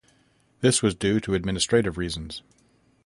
This was due to administrative reasons.